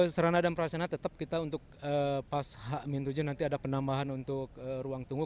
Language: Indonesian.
serana dan prasana tetap kita untuk pas h tujuh nanti ada penambahan untuk ruang tunggu